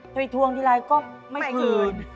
ไปทวงทีไรก็ไม่คืน